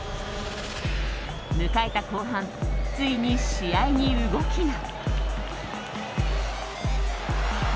迎えた後半、ついに試合に動きが。